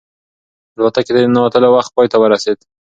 الوتکې ته د ننوتلو وخت پای ته ورسېد.